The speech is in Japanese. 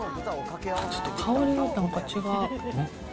ちょっと香りがなんか違う。